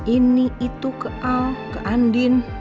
ini itu ke al ke andin